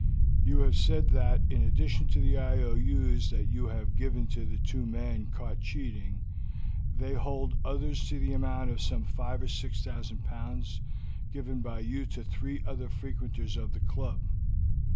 "You have said that, in addition to the IOUs that you have given to the two men caught cheating, they hold others to the amount of some five or six thousand pounds, given by you to three other frequenters of the club.